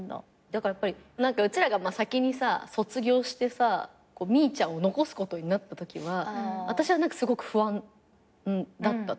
だからやっぱり何かうちらが先にさ卒業してさみぃちゃんを残すことになったときは私は何かすごく不安だった。